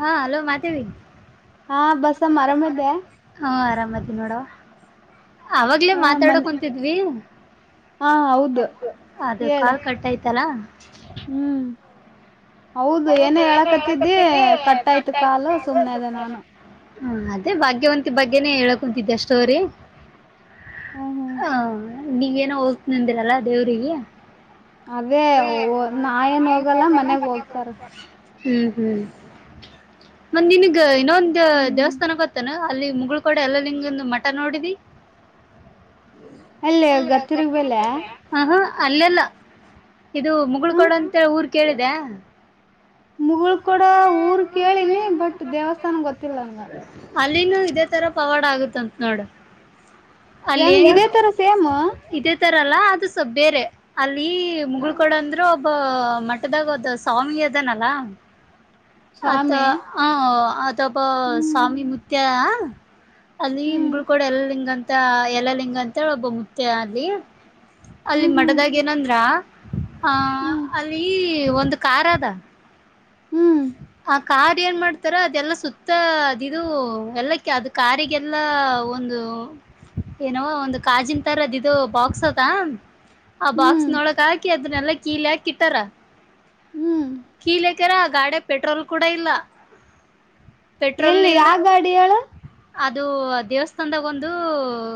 ಹಾ ಹಲೋ ಮಾದೇವಿ ಹಾ ಬಸ್ಸಮ್ಮ ಆರಾಮದೆ ಹಾ ಆರಾಮತಿ ನೋಡುವ ಅವಾಗಲೇ ಹ ಮಾತಾಡೋ ಮನ್ ಕುಂತಿದ್ವಿ ಹಾ [inaudible] ಹೌದು ಹೌದ ಅದ ಹೇಳು ಕಾಲ್ ಕಟ್ಯ್ತಲ್ಲಾ? ಹ್ಮ್ ಹೌದು ಏನೇ ಹೇಳಕತ್ತಿದ್ದಿ ಕಟ್ಟಾಯ್ತು ಕಾಲು ಸುಮ್ನೆ ಅದ ನಾನು ಹ್ಮ ಅದೇ ಭಾಗ್ಯವಂತಿ ಬಗ್ಗೆನೆೇ ಹೇಳಕ್ ಕುಂತಿದ್ದೆ ಅಷ್ಟೋರಿ ಹ್ಮ್ ಹ್ಮ್ ಹ ನೀವೇನೋ ಹೋಗ್ತ ನಿಂದಿರಲ್ಲ ದೇವ್ರಿಗೆ ಅದೇ ಹೋ ನಾ ಏನ್ ಹೋಗಲ್ಲ ಮನೆಗ ಹೋಗ್ತಾರ ಹ್ಮ್ ಹ್ಮ್ ಮತ್ತ ನಿನಗ ಇನ್ನೊಂದ ಹ್ಮ್ ದೇವಸ್ಥಾನ ಗೊತ್ತನ ಅಲ್ಲಿ ಮುಗಳ್ಕೊಡ ಎಲ್ಲ ನಿಂಗೊಂದು ಮಠ ನೋಡಿದಿ ಅಲ್ಲಿ ಹ ಗತ್ತಿರ್ಗ್ ಗತ್ತೀರಿ ಬೆಲೆ ಇದ್ದೆಲ್ಲ ಹ ಹ ಅಲ್ಲೆಲ್ಲ ಇದು ಹ ಮುಗಳ್ಕೊಡ ಅಂತ ಊರ್ ಕೇಳಿದ್ಯಾ ಮುಗುಳಕೊಡ ಕೂಡ ಊರ್ ಕೇಳಿನಿ ಬಟ್ ದೇವಸ್ಥಾನ ಗೊತ್ತಿಲ್ಲ ಹಂಗ ಅಲ್ಲಿನೂ ಇದೇ ತರ ಪವಾಡ ಆಗತ್ತಂತ ನೋಡ ಅಲ್ಲಿ ಹೆಂಗ್ ಇದೇ ತರ ಸೇಮ್ ಇದೇ ತರಲ್ಲ ಅದು ಸಪ ಬೇರೆ ಅಲ್ಲಿ ಮುಗಳ ಮುಗಳಕೊಡ ಅಂದ್ರರ ಒಬ್ಬ ಮಠದಾಗ ಒಂದ ಸ್ವಾಮಿ ಅದನಲ್ಲ [inaudible] ಆತ್ತ ಸ್ವಾಮಿ ಹ ಅದಬ ಹ್ಮ್ ಸ್ವಾಮಿಮುತ್ಯ ಅಲ್ಲಿ ಹ್ಮ್ ಇಂಗಳಕೊಡ ಎಲ್ಲಲಿಂಗ ಅಂತ ಎಲ್ಲ ಲಿಂಗ ಅಂತ ಒಬ್ಬ ಮುತ್ತ್ಯಾ ಅಲ್ಲಿ ಅಲ್ಲಿ ಹ್ಮ್ ಹ್ಮ್ ಮಠದಾಗ ಏನಂದ್ರ ಆಹ ಹ್ಮ್ ಅಲ್ಲಿ ಒಂದ ಕಾರ್ ಅದ ಹ್ಮ್ [inaudible] ಆ ಕಾರ್ ಏನ್ ಮಾಡ್ತ ಒಂತರ ಅದೆಲ್ಲ ಸುತ್ತ ಅದ ಇದು ಎಲ್ಲ ಅದು ಕಾರಿಗೆಲ್ಲ ಒಂದು ಏನೋ ಒಂದು ಕಾಜಿನ ತರದ ಇದು ಬಾಕ್ಸ್ ಅದ ಆ ಬಾಕ್ಸ ಹ್ಮ್ ಹ್ಮ್ ಒಳ್ಗ ಹಾಕಿ ಅದನ್ನೆಲ್ಲಾ ಕೀಲಿ ಹಾಕಿ ಇಟ್ಟರಾ ಹ್ಮ್ ಕೀಲಿ ಹಾಕ್ಯಾರ ಆ ಗಾಡೆಗ ಪೆಟ್ರೋಲ್ ಕೂಡ ಇಲ್ಲ [inaudible] ಪೆಟ್ರೋಲ್ನ ನು ಎಲ್ಲಿ ಇಲ್ಲ.. ಯಾವ ಗಾಡಿ ಹೇಳು ಅದು ಆ ದೇವಸ್ಥಾನದಾಗ ಒಂದು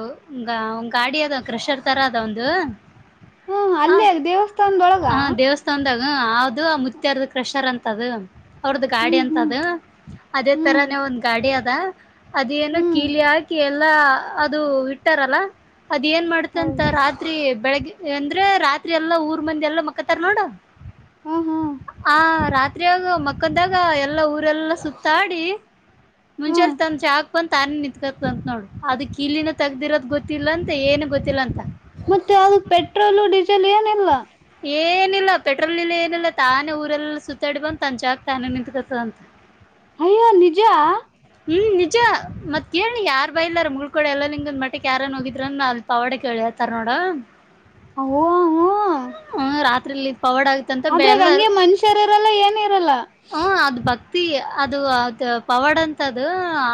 [inaudible] ಗಾಡಿಯಾದ ಕ್ರಷರ್ ತರ ಆದ ಒಂದು ಹ್ಮ್ ಹ ಅಲ್ಲೇ ದೇವಸ್ಥಾನದೊಳಗ ಹ ದೇವಸ್ಥಾನ ತಂದಾಗ ಅದು ಆ ಮುುತ್ತಾರದ ಕ್ರೆಷರ್ ಅಂತದು ಅವ್ರ್ದ ಗಾಡಿ ಹ್ಮ್ ಅಂತ ಹ್ಮ್ ಅದ ಅದೇ ತರ ಹ್ಮ್ ನೀವು ಒಂದ್ ಗಾಡಿ ಅದ ಅದೇನೋ ಹ್ಮ್ ಕೀಲಿ ಹಾಕಿ ಎಲ್ಲಾ ಅದು ಇಟ್ಟಾರಲ್ಲ ಅದ ಏನ್ ಮಾಡ್ತಂತ ಹೌದು ರಾತ್ರಿ ಬೆಳಗ್ಗೆ ಅಂದ್ರೆ ರಾತ್ರಿ ಎಲ್ಲಾ ಊರ್ ಮಂದಿ ಎಲ್ಲಾ ಮಕ್ಕತಾರ್ ನೋಡೂ ಹ ಹಾ ಆ ರಾತ್ರಿಯ ಮಕ್ಕ್ದಾಗ ಎಲ್ಲಾ ಊರೆಲ್ಲ ಸುತ್ತಾಡಿ ಹಾ ಮುಂಚೆ ತಂದ ಚಾಕ್ ಬಂತ ಆನೆ ನಿಂತ್ಕತಂತ ನೋಡು ಅದು ಕೀಲಿನ ತಗ್ದಿರೋದ ಗೊತ್ತ ಗೊತ್ತಿಲ್ಲ ಅಂತೆ ಏನು ಗೊತ್ತಿಲ್ಲ ಅಂತ ಮತ್ತೆ ಅ ಪೆಟ್ರೋಲ್ ಡೀಸೆಲ್ ಏನಲ್ವಾ ಏನಿಲ್ಲ ಪೆಟ್ರೋಲ್ ಇಲ್ಲ ಏನಿಲ್ಲ ತಾನೇ ಊರಲ್ಲ ಸುತ್ತಾಡಿ ಬಂದು ತಂಚಾಗಗ್ತಾನೆ ನಿಂತತ್ಕಸ ಅಂತ ಆಯೋ ನಿಜ ಹ್ಮ್ ನಿಜ ಮತ್ ಕೇಳಿ ಯಾರಾರ್ ಬೈಲಾರ ಮುಳ್ಕೋಳ ಎಲ್ಲಾ ನಿಂಗೊಂದ್ ಮಠಕ್ಕೆಕ್ ಯಾರನ್ ಹೋಗಿದ್ರ ಅಲ್ ಪವಾಡ ಕೇಳಿ ಹಳ್ತಾರ ನೋಡ [unintelligible] ಹ್ಮ ರಾತ್ರಿಲಿ ಪವಾಡ್ ಆಗತಂತ ಅದ್ರಾಗ ಎಲ್ಲಾರ ಹಂಗೆ ಮನುಷ್ಯರ ಇರಲ್ಲ ಏನ ಇರಲ್ಲ ಹ ಅದ್ ಬಕ್ ಅದು ಅದು ಪವಾಡ್ ಅಂತದ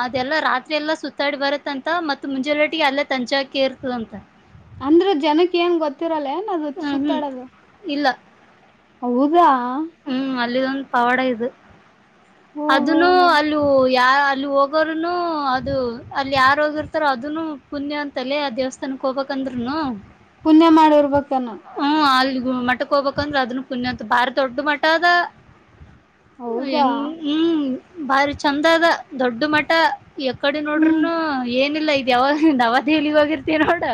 ಅದೆಲ್ಲ ರಾತ್ರಿ ಎಲ್ಲ ಸುತ್ತಾಡಿ ಬರುತ್ತೆ ಅಂತ ಮತ್ ಮುಂಜೆೋಟ್ಟಟಿಗೆ ಅಲ್ಲೇ ತಂಚಾಕ ಇರ್ತದಂತ ಅಂದ್ರ ಜನಕ್ಕೆ ಏನ್ ಗೊತ್ತಿರಲ್ಲ ಏನ್ ಅದು ಹ್ಮ್ ಹ್ಮ್ ಸುತ್ತಾಡೋದು ಇಲ್ಲ ಹೌದಾ ಹ್ಮ್ ಅಲ್ಲಿ ಇದೊಂದು್ ಪವಾಡ ಇದು ಓ ಹೋ ಅದನು ಹೋ ಅಲ್ಲಿ ಅಲ್ಲಿ ಹೋಗೋರುನು ಅದು ಅಲ್ಲಿ ಯಾರ ಹೋಗಿರ್ತಾರೋ ಅದನ್ನು ಪುಣಯ ಅಂತಲೆ ಆ ದೇವಸ್ಥಾನಕ್ಕೆ ಹೋಗಬೇಕಕ್ಂದ್ರುನು ಪುಣ್ಯ ಮಾಡಿ ಇರ್ಬೇಕಾನ ಹ್ಮ್ ಅಲ್ಲಿ ಮಠಕ್ಕೆ ಹಬೇಕಂದ್ರೆ ಅದನ್ನು ಪುಣಯಂತ ಬಾರಿ ದೊಡ್ಡ ಮಠ ಅದ ಹೌದಾ ಹೆಂಗ ಹ್ಮ್ ಬಾರಿ ಚಂದ ಅದಾ ದೊಡ್ಡ ಮಠ ಎಕಡೆ ಹ್ಮ್ ನೋಡ್ರೂನು ಏನಿಲ್ಲ ಇ ಯಾವಾಗಂದ ಅವ ದಲಿಿಗೆ ಹೋಗಿರ್ತ ನೋಡು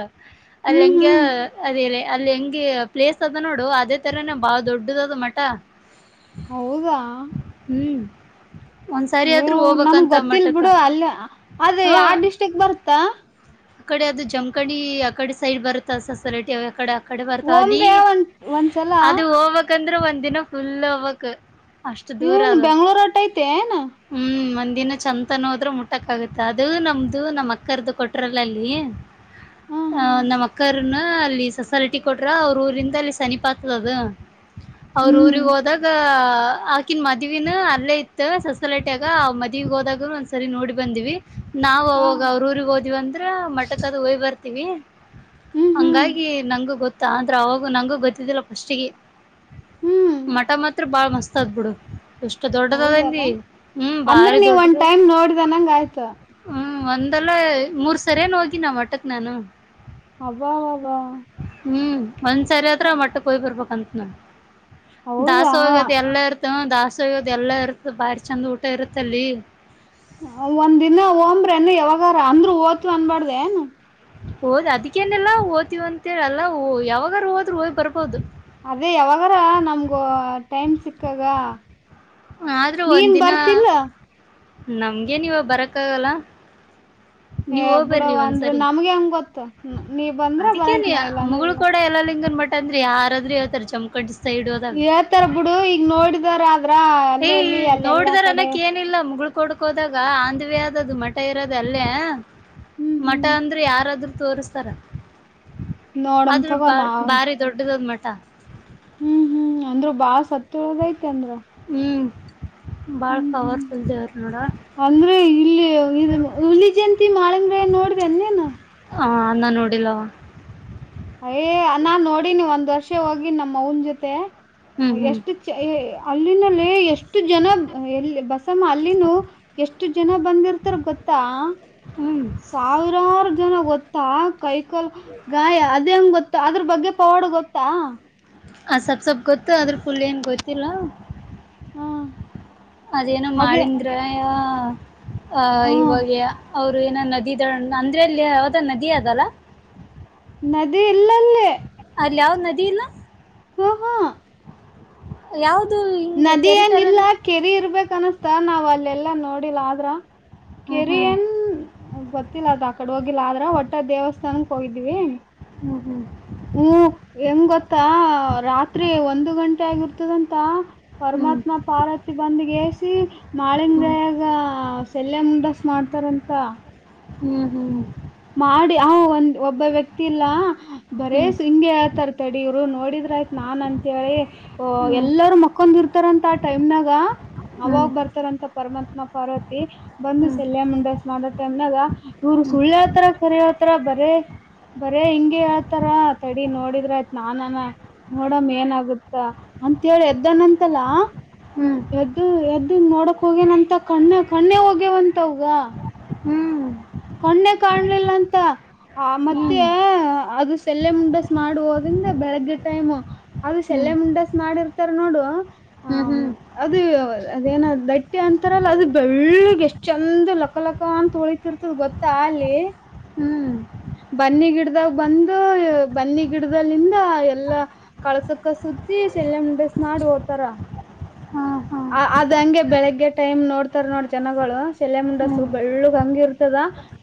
ಅಲ್ಲಿ ಹ್ಮ್ ಹೆಂಗ ಹ್ಮ್ ಅದೇ ಅಲ್ಲಿ ಹೆಂಗಗೆ ಪ್ಲೇಸ್ ಅದ ನೋಡು ಅದೇ ತರನ ಬಾ ದೊಡ್ಡದ ಅದ ಮಟ [inaudible] ಹೌದಾ ಹ್ಮ್ ಒಂದ್ಸಾರಿ ಆಯೋ ಆದ್ರೂ ನನ್ಗೆ ಹೋಗ್ಬೇಕಂತ ಗೊತ್ತಿಲ್ ಮಠಕ್ಕ ಬಿಡು ಅಲ್ಲಿ ಅದ ಯಾವ ಡಿಸ್ಟ್ರಿಕ್ ಬರುತ್ತಾ ಅಕಡೆ ಅದು ಜಮಕಣಿ ಆ ಕಡೆ ಸೈಡ್ ಬರುತ್ತ ಸಸಲಿಟಿಡೆ [unintelligible] ಕಡೆ ಓಮ್ರ ಬರ್ತಾವಲ್ಲಿ ಒಂದ ಒಂದ್ಸಲ ಅದು ಹೋಗ್ಕ್ಂದ್ರೆ ಒಂದ್ ದಿನ ಫುಲ್ ಹೋಗ್ಬೇಕು ಏನ್ ಬೆಂಗ್ಳೂರು ಅಟ್ಟ ಐತೆ ಏನಾ ಹ್ಮ್ ಒಂದಿನ ಚಂದನ್ೋದ್ರೆ ಮುಟಕ್ ಆಗುತ್ತೆ ಅದು ನಮ್ದು ನಮ್ಮ್ ಅಕ್ಕರ್ದದುು ಕೊಟ್ಟ ಹರಲೀ ಹ ಅ ಹ ನಮ್ಮ್ ಅಕ್ಕರ್ನ ಅಲ್ಲಿ ಸೊಸಾಲಟಿ ಕೊಟ್ರ ಅವ್ರ ಊರಿಂದ ಅಲ್ಲಿ ಸನಿಪಾತ್ ಅದದು ಅವ್ರ ಹ್ಮ್ ಊರಿಗೆ ಹೋದಾಗ [unintelligible] ಅಕಿನ್ ಮಾಡುವೆನು ಅಲ್ಲೇ ಇತ್ತುತ್ ಸಸಲೇಟ ಆಾಗ ಆ ಮದ್ವಿಗ್ ಹೋದಾಗ ಒಂದ್ ಸರಿ ನೋಡಿ ಬಂದಿವವಿ ನಾವವು ಹ ಅವಾಗ ಅವ್ರ ಊಗ್ ಹೋದಿವವಂದ್ರ ಮಟಕ್ ಅದು ಹಯ್ ಬರ್ತವಿ ಹ್ಮ್ ಹ್ಮ್ ಹಂಗಾಗಿ ನಂಗೂ ಗೊತ್ತಾ ಅಂದ್ರೆ ಅವಾಗೂ ನಂಗೂ ಗೊತ್ತಿದ್ದಿಲ್ಲ ಫಸ್ಟ್ಗೆ ಹ್ಮ್ ಮಠ ಮಾತ್ರ ಬಾಳ ಮಸ್ತ್ ಆ ಆದ್ಬಿಡು ಎಷ್ಟು ಎ ದೊಡ್ಡದ ಆದ ಹೌದಲ್ಲ ಅಂದಿ ಹ್ಮ್ ಅಂದ್ರೆ ಭಾರಿ ನೀವ್ ಒಂದ್ ದೊಡ್ಡದ ಟೈಮ್ ನೋಡ್ದನಂಗ ಆಯ್ತ ಹ್ಮ್ ಒಂದಲ್ಲ ಮೂರ್ ಸರಿ ಏನೋ ಹೋಗಿನಿ ಮಠಕ್ ನಾನು. ಅಬ್ಬಬ್ಬಾಬ್ಬಾ. ಹ್ಮ್ ಒಂದ್ಸರಿ ಆದ್ರೂ ಆ ಮಟ್ಟಕ್ ಹೋಗಿ ಬರ್ಬೇಕಂತ ನಾ. ಹೌದಾ ದಾಸೊಗ್ ಅದು ಎಲ್ಲಾ ಇರ್ತ ಹ ದಾಸೊಗ್ ಅದು ಎಲ್ಲಾ ಇರ್ತ ಬಾರಿ ಚೆಂದ ಊಟ ಇರುತ್ತಲ್ಲಿ. ಒಂದ ದಿನ ಹೊಂಬ್ರಮ್ ಏನ್ರೀ ಯಾವಾಗಾರ ಅಂದ್ರೂ ಹೋತಿವ್ ಅನ್ಬಾರದ ಏನ್. ಹೋದ್ ಅದಕ್ಕೇನೆಲ್ಲ ಹೋತಿವ್ ಅಂತ್ ಹೇಳಲ್ಲಾ ಯಾವಾಗಾರೂ ಹೋದ್ರು ಹೋಗ್ ಬರ್ಬೋದು. ಅದೇ ಯಾವಾಗಾರ ನಮ್ಗ ಟೈಮ್ ಸಿಕ್ಕಾಗ ಆದ್ರೂ ಒಂದ ನೀನ್ ದಿನ ಬರ್ತಿಲ್ಲ ನಮ್ಗೆನ್ ಇವಾಗ ಬರಕ್ಕಾಗಲ್ಲಾ. [inaudible] ನೀವ ಏ ಹೋಗ್ಬರ್ರಿ ಬಿಡವ ಅಂದ್ರ ಒಂದ್ಸರಿ ನಮ್ಗೆ ಹೆಂಗ ಗೊತ್ತ ನೀ ಬಂದ್ರ ಅದಕ್ಕೆನ್ ಬರಕ್ ನಾ ಇಲ್ಲ ಅಂದ್ರ ಇಲ್ಲ ಮುಗಳಕೋಡ ಯಲ್ಲಾ ಲಿಂಗನ್ ಮಟ್ಟ ಅಂದ್ರ ಯಾರ್ ಆದ್ರೂ ಹೇಳ್ತಾರ ಜಮಖಂಡಿ ಸೈಡ್ ಹೋದಾಗ ಹೇಳ್ತಾರ ಬಿಡು ಈಗ್ ನೋಡಿದಾರ ಆದ್ರ ಅಲ್ಲ ಅಲ್ಲಿ ಅಲ್ಲಿ ಎಲ್ಲಾ ಕಡೆ ಏನಿಲ್ಲಾ ಮುಗಲ್ ಕೊಡ್ಕೋದಾಗ ಓನ್ ಥ ವೇ ಆದದು ಮಠ ಇರೋದ ಅಲ್ಲೇ. ಹ್ಮ್ ಮಠ ಹ್ಮ್ ಅಂದ್ರ ಯಾರಾದ್ರೂ ತೋರಸ್ತಾರ್. ನೋಡಮ ಆದ್ರೂ ತಗೋ ಬ ನಾವ್ ಭಾರಿ ದೊಡ್ಡದದ ಮಠ್. ಹ್ಮ್ ಹ್ಮ್ ಅಂದ್ರು ಬಾಳ ಸತ್ಯ ಉಳದೇತ್ ಅಂದ್ರ. ಹ್ಮ್ ಭಾಳ ಹ್ಮ್ ಹ್ಮ್ ಪವರ್ ಫುಲ್ ದೇವ್ರ. ನೋಡ್ ಅಂದ್ರೆ ಇಲ್ಲಿ ಇ ಹುಲಿ ಜಯಂತಿ ಮಾಳಿಂಗಯ್ಯನ್ ನೋಡ್ದಿ ಏನ್ ನೀನೂ ಆ ನಾನ್ ನೋಡಿಲ್ಲ. ಅಯೇ ನಾನ್ ನೋಡಿನಿ ಒಂದ್ ವರ್ಷ ಹೋಗಿ ನಮ್ಮವನ್ನ ಜೊತೆ ಹ್ಮ್ ಹ್ಮ್ ಎಷ್ಟು ಎ ಅಲ್ಲಿಂದಲೇ ಎಸ್ಟ್ ಎಷ್ಟು ಜನ ಎಲ್ಲಿ ಬಸಮ್ಮ ಅಲ್ಲಿನೂ ಎಷ್ಟು ಜನ ಬಂದಿರ್ತಾರ ಗೊತ್ತಾ? ಹಂ. ಸಾವಿರಾರ ಜನಾ ಗೊತ್ತಾ ಕೈ ಕಾಲ ಗಾಯ ಗೊತ್ತಾ ಅದರ್ ಬಗ್ಗೆ ಪವಾಡ್ ಗೊತ್ತಾ? ಆ ಸೊಪ್ ಸೊಪ್ಪ ಗೊತ್ತು ಅದ್ರ ಫುಲ್ ಏನ್ ಗೊತ್ತಿಲ್ಲ. ಹ್ಮ್ ಅದೇನೋ ಮಾಳಿಂಗ್ರೆಯಾ ಆ ಹ್ಮ ಇವಾಗ ಅವ್ರ ಏನೋ ನದಿ ದಡ್ ಅಂದ್ರೆ ಇಲ್ಲಿ ಯಾವ್ದ ನದಿ ಅದಲ್? ನದಿ ಇಲ್ಲ ಅಲ್ಲೇ. ಅಲ್ಲಿ ಯಾವ್ ನದಿ ಇಲ್ಲ? ಉಹು ಉಹು. ಯಾವ್ದೂ ಹಿಂಗ ನದಿ ಏನ್ ಕೇರಿತರಾ ಇಲ್ಲ ಇಲ್ಲಾ? ಕೆರಿ ಇರ್ಬೇಕ ಅನಸ್ತ ನಾವ್ ಅಲ್ಲೆಲ್ಲಾ ನೋಡಿಲ್ಲ ಆದ್ರ ಹ್ಮ್ ಕೆರಿ ಹ್ಮ್ ಏನ್ ಗೊತ್ತಿಲ್ಲ ಅದ ಆಕಡೆ ಹೋಗಿಲ್ಲ ಆದ್ರ ಒಟ್ಟ ದೇವಸ್ಥಾನಕ್ ಹೋಗಿದ್ವಿ. ಹ್ಮ್ ಹ್ಮ್ ಹ್ಮ ಹೆಂಗ್ ಗೊತ್ತಾ ರಾತ್ರಿ ಒಂದು ಗಂಟೆ ಆಗಿರ್ತದಂತ ಹ್ಮ್ ಪರಮಾತ್ಮ ಪಾರ್ವತಿ ಬಂದಗೆಸಿ ಮಾಳಿಂಗಯ್ಯಾಗ ಸೆಲ್ಲೆ ಮುಂಡೆಸಿ ಮಾಡ್ತಾರಂತ ಹ್ಮ್ ಹ್ಮ್ ಮಾಡಿ ಹ ಒಂದ್ ಒಬ್ಬ ವ್ಯಕ್ತಿ ಇಲ್ಲ ಬರೇ ಹ್ಮ್ ಹ್ಮ್ ಹಿಂಗೆ ತರ್ತರತಡಿ ಇವ್ರು ನೋಡಿದ್ರ ಆಯ್ತತ್ ನಾನ್ ಅಂತೇಳಿ ಓಹೋ, ಎಲ್ಲಾರೂ ಮಕ್ಕಂದ ಇರ್ತಾರಂತ ಆ ಟೈಮ್ನಾಗ ಹ್ಮ್ ಹ್ಮ್ ಅವಾಗ್ ಬರ್ತಾರಂತ ಪರಮಾತ್ಮ, ಪಾರ್ವತಿ. ಬಂದು ಹ್ಮ್ ಸೆಲ್ಯ ಮುಂಡಸ್ ಮಾಡ ಟೈಮ್ನಾಗ ಇವ್ರು ಸುಳ್ಳ್ಯತರ ಕರೆಹೇಳ್ತಾರ ಬರೇ ಬರೇ ಹಿಂಗೆ ಹೇಳ್ತಾರ ತಡಿ ನೋಡಿದ್ರ ಆಯ್ತ ನಾನಾನ ನೋಡಮ್ಮ ಏನಾಗುತ್ತ ಅಂತ ಹೇಳಿ ಎದ್ದನಂತಲ್ಲಾ ಹ್ಮ್, ಎದ್ದು ಎದ್ದ ನೋಡಕ್ ಹೋಗೇನಂತ ಕಣ್ಣ ಕಣ್ಣೆ ಹೋಗ್ಯವಂತವಗ. ಹ್ಮ್, ಕಣ್ಣೆ ಕಾಣ್ಲಿಲ್ಲ ಅಂತ ಆ ಮತ್ತೆ ಅದು ಸಲ್ಲೆ ಮುಂಡಸ್ ಮಾಡುವದ್ರಿಂದ ಬೆಳಗ್ಗೆ ಟೈಮ್ ಅದು ಶೆಲ್ಲೆ ಮುಂಡಸ್ ಮಾಡಿರ್ತಾರ ನೋಡು ಹ್ಮ್, ಹ್ಮ ಹ್ಮ್- ಅದು ಅದೇನ ದಟ್ಟಿ ಅಂತಾರಲ್ಲ ಅದು ಬೆಳ್ಳಿಗ್ ಎಷ್ಟ್ ಚಂದ ಲಕ್ಕಲ ಕ್ಕ ಅಂತ ಹೊಳಿತಿರ್ ಗೊತ್ತಾ ಅಲಿ [unintelligible] ಹ್ಮ್ ಬನ್ನಿ ಗಿಡದಾಗ ಬಂದು ಬನ್ನಿ ಗಿಡ್ದಗಲ್ಲಿಂದ ಎಲ್ಲಾ ಕಳ್ಸಕ್ಕ ಸುತ್ತಿ ಶಲ್ಯಮುಂಡಸ್ ಮಾಡ್ ಹೋತಾರ. ಹಾ, ಹಾ ಅ ಅದ್ ಹಂಗೆ ಬೆಳಿಗ್ಗೆ ಟೈಮ್ ನೋಡ್ತಾರ ನೋಡ ಜನಗಳು ಶೆಲ್ಯಾಮುಂಡಸು ಹ್ಮ್ ಬೆಳ್ಳುಗ್ ಹಂಗೆಇರ್ತದ.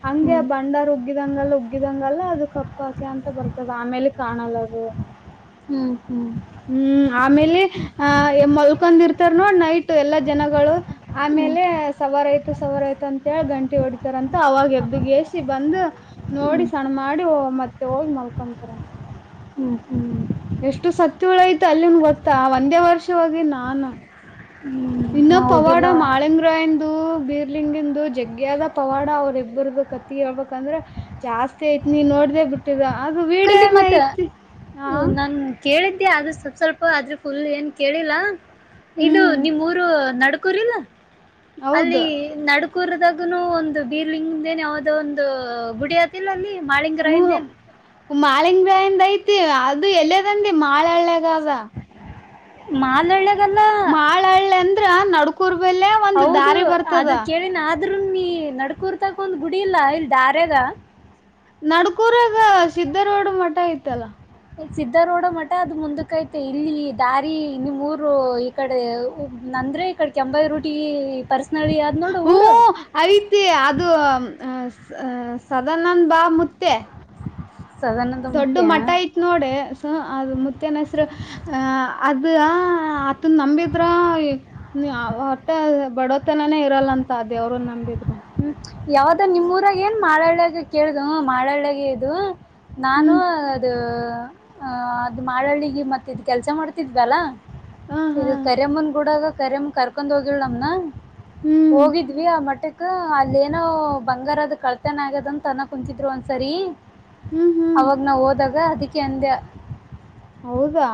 ಹಂಗೆ ಹ್ಮ್ ಆ ಬಂಡಾರ ಉಗ್ಗಿದಂಗೆಲ್ಲ -ಉಗ್ಗಿದಂಗೆಲ್ಲ ಅದು ಕಪ್ಪಾಕೆ ಅಂತ ಬರ್ತದ ಆಮೇಲೆ ಕಾಣಲ್ಲದು. ಹ್ಮ್, ಹ್ಮ್ ಹ್ಮ್, ಆಮೇಲೆ ಆಹ ಮಲ್ಕೊಂಡ ಇರ್ತಾರ ನೋಡ್ ನೈಟ್ ಎಲ್ಲಾ ಜನಗಳು ಹ್ಮ್ ಆಮೇಲೆ ಸವಾರಯ್ತು ಸವಾರ ಆಯ್ತು ಅಂತೇಳಿ ಗಂಟಿ ಹೊಡಿತಾರಂತ ಅವಾಗ ಎದ್ದಗೆಸಿ ಬಂದ ನೋಡಿ ಸಣ್ಣ ಮಾಡಿ ಮತ್ತೆ ಹೋಗಿ ಮಲ್ಕೊಂತರ. ಹ್ಮ್ ಹ್ಮ್ ಎಷ್ಟು ಸತ್ತುಳೈಯ್ತು ಅಲ್ಲಿನ ಗೊತ್ತಾ ಒಂದೇ ವರ್ಷಹೋಗಿನನಾನು. ಹ್ಮ [inaudible] ಇನ್ನ ಪವಾಡ ಮಾಡಲೆಗ [unintelligible] ಪುರ ಇಂದು ಬೀರ್ಲಿಂಗಂದು ಜಗ್ಗ್ಯಾದ ಪವಾಡ ಅವ್ರ ಇಬ್ಬರದು ಕತಿ ಹೇಳ್ಬೇಕಂದ್ರೆ ಜಾಸ್ತಿ ಐತ್ ನೀ ನೋಡ್ದೇ ಬಿಟ್ಟಿದ ಅದು ವೀಡ ಕಲಿ ಎಲ್ಲ ಮತ್ತ ಐತಿ. ಹಾ ನಾನ್ ಕೇಳಿದ್ದೆ ಆದ್ರ ಸ್ವಪ ಸ್ವಲ್ಪ ಆದ್ರ ಫುಲ್ ಏನ್ ಕೇಳಿಲ್ಲ ಇದು ಹ್ಮ್ ನಿಮ್ಮೂರು ನ ಕುೂರಿಿಲ್ಲ ಹೌದ ಅಲ್ಲಿ [unintelligible] ನಡ್ಕೂರದಾಗನು ಒಂದು ಬೀರಲಿಂಗದೆನ್ ಯಾವವುದೋ ಒಂದು ಗುಡಿಯಾದ. ಇಲ್ಲಮಾಳಿಂಗ್ರಾಯಂದ ಹ್ಮ ಏನು ಮಾಳಿಂಗರಾಯಂದ ಐತಿ ಅದು ಎಲ್ಲದಂದಿ ಮಾಳಳ್ಳಗ. ಮಾಲ್ಳ್ಳೆಗಲ್ಲ [inaudible] ಮಾಳಳ್ಳೃ ಅಂದ್ರ ನಡ್ಕೂರ್ ಬಲ್ಲೆ ಒಂದ್ ಹೌದು ದಾರಿ ಬರ್ತದ ಅದು ಕೇಳಿನ ಆದ್ರೂ ನೀ ನಡ್ಕೂರ್ತಕ ಒಂದ್ ಗುಡಿ ಇಲ್ಲಾ ಇಲ್ಲಿದಾರ್ಯಾಗ. ನಡ್ಕೂರಾಗ ಸಿದ್ದರುಡ ಮಠ ಐತಲ್ಲಾ ಸಿದ್ಧರುಡ ಮಠ ಅದು ಮುಂದಕಐತೆ ಇಲ್ಲಿ ದಾರಿ ಇಲ್ಲಿ ಮೂರು ಕಡೆ ನಂದ್ರೆ ಈ ಕಡೆ ಕೆಂಭಾವಿ ರೂಟಿಗಿ ಪರ್ಸನಲ್ ಆದ್ ನೋಡ್ ಊರ್ ಹ್ಮ ಐತಿ ಅದು ಸದನಂದ ಬಾಳ ಮುತ್ತ್ಯಾ ಸದಾನಂದ ದೊಡ್ಡ ಮುತ್ಯ ಮಠ ಐತ್ ನೋಡ ಹ ಅ ಮುತ್ತನ್ ಹೆಸರು ಹ ಅದ ಅದನ್ನ ನಂಬಿದ್ರಾ ನೀ ಹೊಟ್ಟ ಬಡೋತನಾನೇ ಇರಲ್ಲ ಅಂತ ಅ ದೇವ್ರನ ನಂಬಿದ್ರ. ಹ್ಮ್, ಯಾವದನನಿಮ್ಮೂರಾಗ ಏನ್ ಮಾಳಳ್ಳಾಗ ಕೇಳ್ದ ಮಾಳಳ್ಳೆಗಇದು. ನಾನು ಹ್ಮ್ ಅದು ಅ ಅದು ಮಾಳಳ್ಳಿಗೆ ಮತ್ತ ಇದ್ ಕೆಲ್ಸ ಮಾಡ್ತಿದ್ವಲ್ಲಾ. ಹ ಹಾ ಇದು ಕರಿಮ್ಮನ್ ಕೂಡಾಗ ಕರಿಮ್ಮ್ ಕರ್ಕೊಂಡ ಹೋಗಿಲ ನಮೂನೆ ಹ್ಮ್ ಹೋಗಿದ್ವಿ ಆ ಮಟ್ಟಕ್ಕ ಅಲಿ ಅಲ್ಲೇನೋ ಬಂಗಾರದು ಕಳ್ತನ ಆಗ್ಯದಂತನ್ನ ಕುಂತಿದ್ರು ಒಂದ್ಸರಿ ಹ್ಮ್ ಹ್ಮ್ ಅವಾಗ ನಾ ಹೋದಾಗ ಅದಕ್ಕೆ ಅಂದ ಹೌದಾ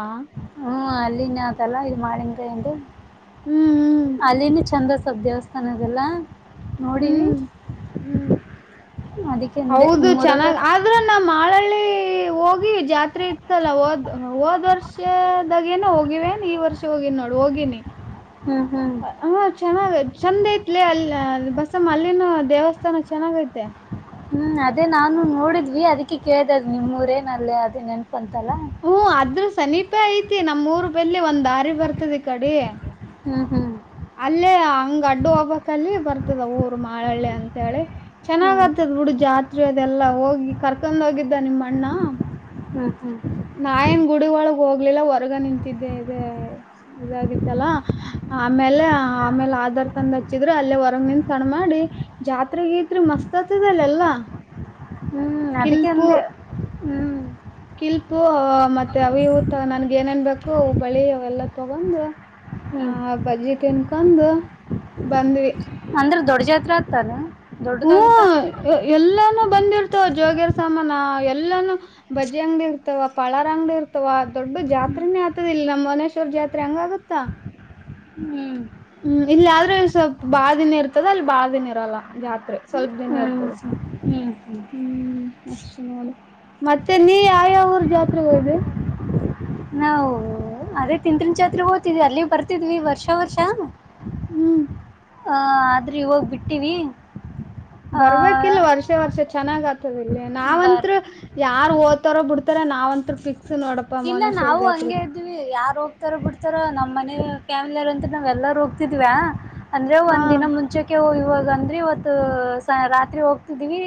ಹ್ಮ್ ಅಲ್ಲಿನ್ ಆತಲ್ಲ ಇದು ಮಳೆಗಾಯೆ ಒಂದು ಹ್ಮ್ ಹ್ಮ್ ಅಲ್ಲಿನ ಚಂದ್ರಸಬ್ ದೇವಸ್ಥಾನ ಅದಲ್ಲ ನೋಡ ಹ್ಮ್ ಹ್ಮ್ ಅದಿಕ್ಕೆಂದೆ ಹೌದು ನಿಮ್ಮೂರಾಗ ಚೆನ್ನಾಗ್ [unintelligible] ಹೋಗಿವವಿ ಜಾತ್ರೆ ಇತ್ತಲ್ಲಾ ಹೋದ್ ಹೋದ್ ವರ್ಷದಾಗೇನ ಹೋಗಿವೇನ್ ಈ ವರ್ಷ ಹೋಗಿನಿ ನೋಡಿ ಹೋಗಿನಿ ಹ್ಮ್ ಹ್ಮ್ ಹ ಚೆನ್ನಾಗ ಚೆಂದ ಐತ್ಲಿ ಅಲ್ಲಿ ಬಸಮ್ಮ ಅಲ್ಲಿನ ದೇವಸ್ಥಾನ ಚೆನ್ನಾಗ ಐತೆ ಹ್ಮ್ ಅದೇ ನಾನು ನೋಡಿದ್ವಿ ಅದಕ್ಕೆ ಕೇಳ್ದದ ನಿಮ್ೂಊರೇನ ಅಲ್ಲೇ ಅದೇ ನೆನಪ ಅಂತಲ್ಲ ಹ್ಮ್ ಅದ್ರ ಸಮೀಪೆ ಐತಿ ನಮ್ಮ ಊರ್ ಬೆಲ್ಲಿಿ ಒಂದ್ ದಾರಿ ಬರ್ತದೆ ಈ ಕಡೆ ಹ್ಮ್ ಹ್ಮ್ ಅಲ್ಲೇ ಹಂಗ ಅಡ್ಡು ಹಬಕ್ಲ್ಲಿ ಬರ್ತದ ಊರ್ ಮಾಳಳ್ಳಿ ಅಂತೇಳಿ ಚೆನ್ನಾಗ್ ಹ್ಮ್ ಆತದ ಬಿುಡು ಜಾತ್ರೆ ಅದೆಲ್ಲಾ ಹೋಗಿ ಕಾರ್ ರ್ಕೊಂಡ್ ಹೋಗಿದ್ದ ನಿಮ ಅಣ್ಣ ಹ್ಮ್ ಹ್ಮ್ ನಾ ಏನು ಗುಡಿ ಒೊಳಗ ಹೋಗ್ಲಿಲ್ಲ ಹೊರ್ಗ ನಿಂತಿದ್ದೆ ಇ ಇದಾಗಿತ್ತಲ್ಲ ಆಮೇಲೆ ಆಮೇಲೆ ಆಧಾರ್ ತಂದ್ ಹಚ್ಚಿದ್ರರು ಅಲ್ಲೇ ಹೊರಗ ನಿನ್ ಸಣ್ಣ ಮಾಡಿ ಜಾತ್ರೆಗೈತ್ರಿ ಮಸ್ತ್ ಆತದಲ್ಲ ಅಲ್ಲ ಹ್ಮ್ ಅದಕ್ಕೆ ಅಂದೆ ಹ್ಮ್ ಕಿಲ್ಪು ಮತ್ತೆ ಅವಿ ಊತ ನನ್ಗ ಏನೇನ್ಬೇಕೇಕು ಬಳಿ ಅವೆಲ್ಲಾ ತಗೊಂಡ ಹ್ಮ್ ಹ ಬಜ್ಜಿತ್ ತಿನ್ಕೊಂಡು ಬಂದ್ವಿ ಅಂದ್ರೆ ದೊಡ್ಡ ಜಾತ್ರೆ ಆತಾನ ಹ್ಮ ದೊಡ್ಡದಾಗುತ್ತಾ ಎಲ್ಲಾನು ಬಂದಿರ್ತವ ಜೋಗಿಯರ್ ಸಾಮಾನ ಎಲ್ಲಾನು ಬಜ್ಜಿ ಅಂಗ್ ಬಿ ಇರ್ತ ಇರ್ತವ ಪಳಾರ ಅಂಗಡಿ ಇರ್ತವ ದೊಡ್ಡ ಜಾತ್ನೇ ಆತದ ಇಲ್ಲಿ ನಮ್ಮ ಮನೇಶ್ವರ್ ಜಾತ್ರೆ ಹಂಗ ಆಗುತ್ತಾ ಹ್ಮ್ ಹ್ಮ್ ಇಲ್ಲಯ ಆದ್ರೆ ಸ್ವಲ್ಪ್ ಬಾಳ ದಿನ ಇರ್ತದ ಅಲ್ಲಿ ಬಾಳ ದಿನ ಇರಲ್ಲ ಜಾತ್ರೆ ಸ್ವಲ್ಪ್ ಜನ ಹ್ಮ್ ಇರ್ತದ ಹ್ಮ್ ಹ್ಮ್ ಅಷ್ಟು ನೋಡು ಮತ್ತೆ ನೀ ಯಾವ ಯಾವ ಊರ್ ಜಾತ್ರೆಗೆೋಯವಿ ನಾವು ಅದೇ ತಿಿಂದತ್ನಚಾತ್ರೆ ಹೋಗ್ತಿದ್ವಿ ಅಲ್ಲಿ ಬರ್ತಿದ್ವಿ ವರ್ಷ ವರ್ಷ ಹ್ಮ್ ಹ ಆದ್ರೆ ಇವಾಗ ಬಿಟ್ಟೀಿವ ಬರ್ಬೇಕಲ್ ವರ್ಷ ವರ್ಷ ಚೆನ್ನಾಗ್ ಆತದ ಇಲ್ಲಿ ನಾವಂತ್ ಬರ್ ಯಾರ್ ಹ [unintelligible] ತರ ಬಿಡ್ತಾರೆ ನಾವ್ಂತ್ತ್ರ ಪಿಕ್ಸ್ ನೋಡಪ್ಪ ಮುವನೇಶ್ವರ್ ಜಾತ್ರೆ ಹೋಗವಿ ಯಾರ್ ಹೋಗ್ತಾರ ಬಿಡ್ತಾರ ನಮ್ಮ್ನ ಫ್ಯಾಮಿಲಿಯಾರಂತ ನಾವ್ ಎಲ್ಲಾರ ಹೋಗ್ತಿದ್ವಾ ಅಂದ್ರೆ ಹಾ ಒಂದ್ ದಿನ ಮುಂಚಕ್ಕೆ ಇವಾಗ ಅಂದ್ರಿ ಇವತ್ತು ರಾತ್ರಿ ಹೋಗ್ತಿದೀವಿ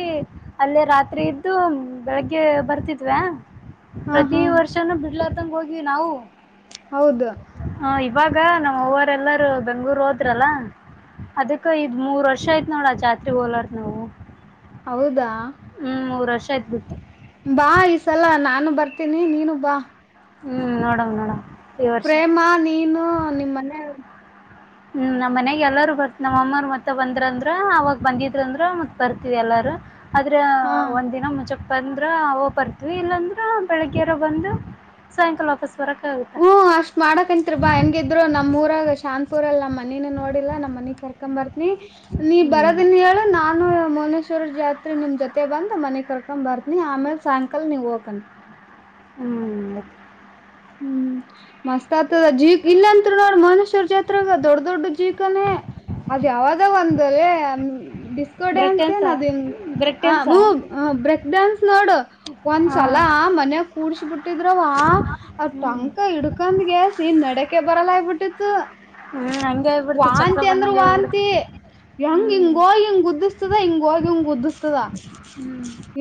ಅಲ್ಲೇ ರಾತ್ರಿ ಇದ್ದು ಬೆಳಗ್ಗೆ ಬರ್ತಿದ್ವ ಹಾ ಪ್ರತಿ ಹಾ ವರ್ಷನುೂ ಬಿಡ್ಲತಂಗ ಹೋಗಿವವಿ ನಾವು ಹೌದು ಹ ಇವಾಗ ನಮ್ಮ್ ವರೆ ಎಲ್ಲಾರೂ ಬೆಂಗ್ಳೂರು ಹೋದ್ರಲ್ಲ ಅದಕ್ಕ ಇದ್ ಮೂರ್ ವರ್ಷ ಆಯ್ತ್ ನೋಡ ಜಾತ್ರೆ ಹೋಲಾರ ನಾವು ಹೌದಾ ಹ್ಮ್ ಮೂರ್ ವರ್ಷ ಆಯ್ತು ಬಿಟ್ಟು ಬಾ ಈ ಸಲ ನಾನು ಬರ್ತೀನಿ ನೀನು ಬಾ ಹ್ಮ್ ನೋಡಂ ನೋಡಂ ಪ್ರೇಮಾ ನೀನು ನಿಮ್ಮ ಮನೆಯ ಹ್ಮ್ ನಮ್ಮ ಮನೆಯಾಗ ಎಲ್ಲಾರೂ ಬರ್ತ ನಮ್ಮಮ್ಮರು ಮತ್ತ ಬಂದ್ರಂದ್ರ ಅವಾಗ ಬಂದಿದರು ಅಂದ್ರ ಮತ್ತ ಬರ್ತವಿ ಎಲ್ಲಾರೂ ಆದ್ರೆ ಹಾ ಒಂದ್ ದಿನ ಮುಜಕ್ ಬಂದ್ರ ಹವು ಬರ್ತ್ವಿ ಇಲ್ಲಾಂದ್ರ ಬೆಳಗ್ಗೆರ ಬಂದು ಸಾಯಂಕಾಲ ವಾಪಸ್ ಬರಕ್ ಆಗುತ್ತ ಹ್ಮ್ ಅಷ್ಟ್ ಮಾಡಕಂತತ್ರಿ ಬಾ ಎ ಹ ಇದ್ರು ನಮ್ಮ್ಊರಾಗ ಶಾಂತಪುರ ಅಲ್ ನಮ್ಮ ಮನಿನ ನೋಡಿಲ್ಲಾ ನಮ್ಮ್ ಮನಿ ಕರ್ಕೊ ಬರ್ತನಿ ನೀ ಹ್ಮ್ ಬರೋದನ್ ಹೇಳಿ ನಾನು ಮುವನೇಶ್ವ ಜಾತ್ರಿ ನಿಮ್ ಜೊತೆ ಬಂದ ಮನೆ ಕರ್ ಕೊಂಡ್ ಬರ್ತನಿ ಆಮೇಲೆ ಸಾಯಂಕಾಲ ನೀವು ಹೋಗಕಿ [unintelligible] ಹ್ಮ್ ಮಸ್ತ್ ಆತದ ಜೀ ಇಲ್ಲ ಅಂತ ನೋಡ್ರ ಮೌನೇಶ್ವರ್ ಜಾತ್ರಾಗ ದೊಡ್ಡ ದೊಡ್ಡ ಜೀಕನೇ ಅದ್ ಯಾವಾಗ ಒಂದ ಡಿಸ್ಕೋ ಬ್ರೇಕ್ ಡ್ಯಾನ್ಸ್ ಏನ್ ಡ್ಯಾನ್ಸಾ ಅದ್ ಬ್ರೇಕ್ ಡ್ಯಾನ್ಸಾ ಹ ಬ್ರೇಕ್ ಡಾನ್ಸ್ ನೋಡು ಹಾ ಒಂದ್ಸಲ ಮನ್ಯಾಗ ಕೂಡ್ಸ ಬಿಟ್ಟಿದ್ರವ ಟಂಕ ಹಿಡ್ಕಂದ್ಗೆಸೀನ್ ನಡಕೆ ಬರಲ್ಲಾಗ್ಬಿಟ್ಟಿತ್ತು ಹ್ಮ್ ಹಂಗೆ ಆಗ್ಬಿಡ್ತು ಚಕ್ರ ವಾಂತಿ ಅಂದ್ರ ಬಂದಂಗ ಆಗ್ಬಿಡ್ತು ವಾಂತಿ ಹೆಂಗ ಹಿಂಗ ಹೋಗಿ ಹಿಂಗ್ ಗುದ್ದಿಸ್ತದ ಹಿಂಗ ಹೋಗಿ ಹಂಗ ಹ್ಮ್